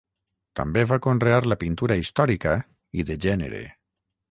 També va conrear la pintura històrica i de gènere.